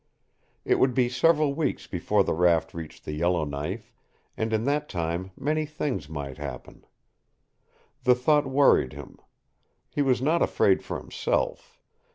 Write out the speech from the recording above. It would be several weeks before the raft reached the Yellowknife, and in that time many things might happen. The thought worried him. He was not afraid for himself.